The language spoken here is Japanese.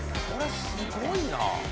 これすごいな！